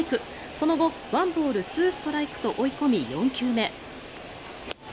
その後、１ボール２ストライクと追い込み４球目。